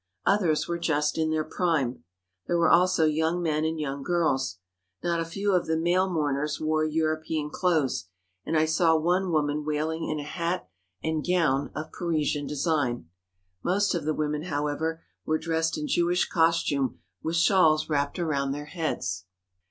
Others were just in their prime. There were also young men and young girls. Not a few of the male mourners wore European clothes, and I saw one woman wailing in a hat and gown of Parisian design. Most of the women, however, were dressed in Jewish costume with shawls wrapped around their heads.